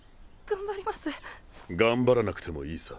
頑張らなくてもいいさ。